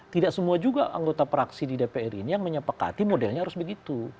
tidak semua juga anggota praksi di dpr ini yang menyepakati modelnya harus begitu